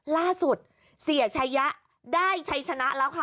ล่าสุดเสียชายะได้ชัยชนะแล้วค่ะ